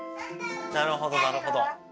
なるほどなるほど！